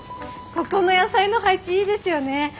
ここの野菜の配置いいですよね！